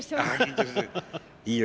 いいよ